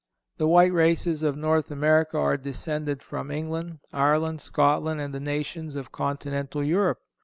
The white races of North America are descended from England, Ireland, Scotland and the nations of Continental Europe.